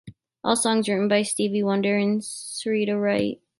All songs written by Stevie Wonder and Syreeta Wright.